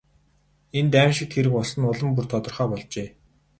Энд аймшигт хэрэг болсон нь улам бүр тодорхой болжээ.